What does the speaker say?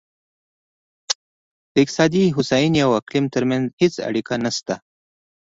د اقتصادي هوساینې او اقلیم ترمنځ هېڅ اړیکه نشته.